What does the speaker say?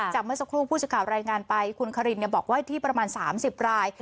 เมื่อสักครู่ผู้สื่อข่าวรายงานไปคุณคารินบอกว่าที่ประมาณ๓๐ราย